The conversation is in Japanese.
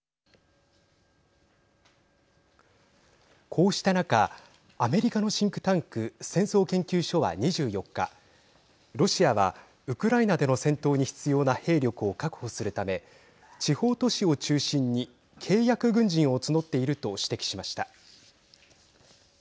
こうした中アメリカのシンクタンク戦争研究所は２４日ロシアは、ウクライナでの戦闘に必要な兵力を確保するため地方都市を中心に契約軍人を募っていると指摘しました。